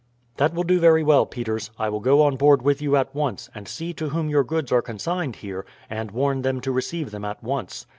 "That will do very well, Peters. I will go on board with you at once, and see to whom your goods are consigned here, and warn them to receive them at once.